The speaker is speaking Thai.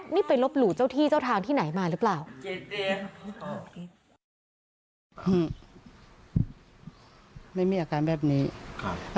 นี่ไปลบหลู่เจ้าที่เจ้าทางที่ไหนมาหรือเปล่า